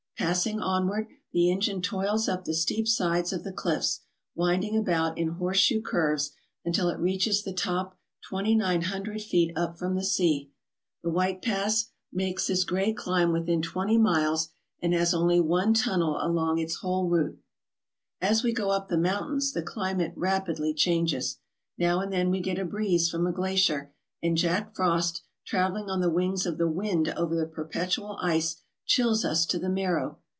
Passing onward, the engine toils up the steep sides of the cliffs, winding about in horseshoe curves until it reaches the top twenty nine hundred feet up from the sea. The White Pass makes this great climb 109 ALASKA OUR NORTHERN WONDERLAND within twenty miles and has only one tunnel along its whole route. As we go up the mountains the climate rapidly changes. Now and then we get a breeze from a glacier, and Jack Frost, travelling on the wings of the wind over the perpetual ice, chills us to the marrow.